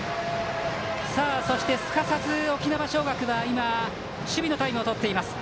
そして、すかさず沖縄尚学は守備のタイムをとっています。